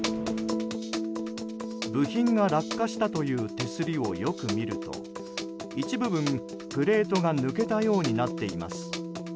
部品が落下したという手すりをよく見ると一部分、プレートが抜けたようになっています。